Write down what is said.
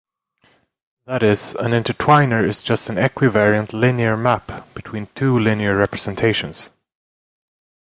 That is, an intertwiner is just an equivariant linear map between two linear representations.